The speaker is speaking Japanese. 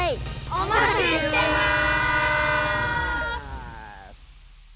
おまちしてます！